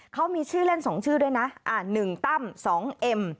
เขามีชื่อเล่น๒ชื่อด้วยนะ๑ตั้ม๒เอ็ม